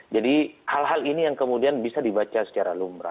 jadi hal hal ini yang kemudian bisa dibaca secara lumrah